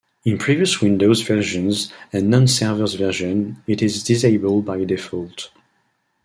In previous Windows versions and non-server versions it is disabled by default.